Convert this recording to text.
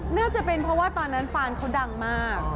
น่าจะเป็นเพราะว่าตอนนั้นฟานเขาดังมาก